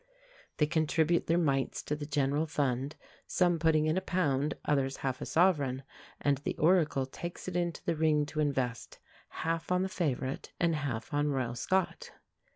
They contribute their mites to the general fund, some putting in a pound, others half a sovereign, and the Oracle takes it into the ring to invest, half on the favourite and half on Royal Scot.